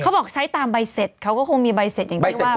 บอกใช้ตามใบเสร็จเขาก็คงมีใบเสร็จอย่างที่ว่า